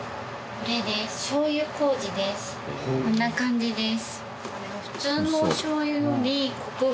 こんな感じです。